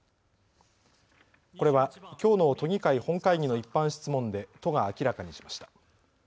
これはきょうの都議会本会議の一般質問で都が明らかにしました。